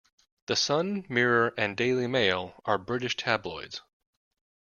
The Sun, Mirror and Daily Mail are British tabloids.